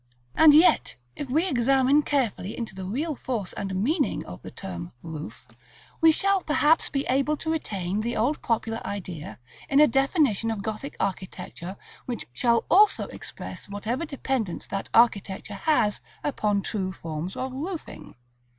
And yet, if we examine carefully into the real force and meaning of the term "roof" we shall perhaps be able to retain the old popular idea in a definition of Gothic architecture which shall also express whatever dependence that architecture has upon true forms of roofing.